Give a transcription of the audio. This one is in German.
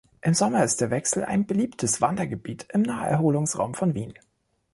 Im Sommer ist der Wechsel ein beliebtes Wandergebiet im Naherholungsraum von Wien.